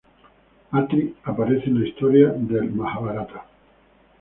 Atri aparece en la historia del Majábharata.